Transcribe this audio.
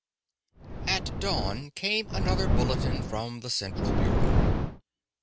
At dawn came another bulletin from the Central Bureau.